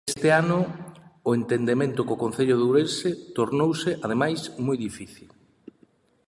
Este ano o entendemento co concello de Ourense tornouse, ademais, moi difícil.